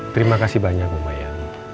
terima kasih banyak bu maya